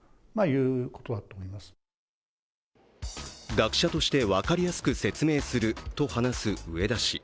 学者として分かりやすく説明すると話す植田氏。